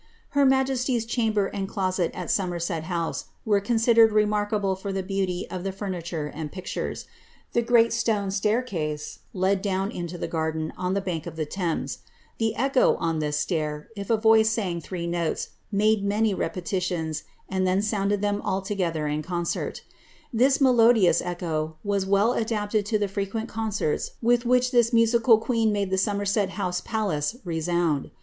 Her majesty's chamber and closet at Somerset House were considered ■arkable for the beauty of the furniture and pictures. The great me staircase led down into the garden on the bank of the Thames, be echo on this stair, if a voice sang three notes, made many repeti NMv and then sounded them all together in concert' This melodious ho was well adapted to the frequent concerts with which this musical nea made the Somerset House palace resound.